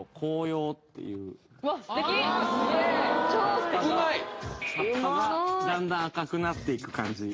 葉っぱがだんだん赤くなっていく感じ